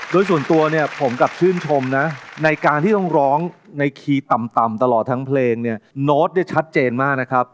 โดยส่วนตัวเนี่ยผมกลับชื่นชมนะในการที่ต้องร้องในคีย์ต่ำตลอดทั้งเพลงเนี่ยโน้ตเนี่ยชัดเจนมากนะครับ